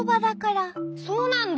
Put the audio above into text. そうなんだ。